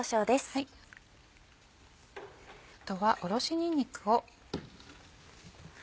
あとはおろしにんにくを。